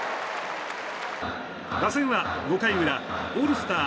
打線は、５回裏オールスター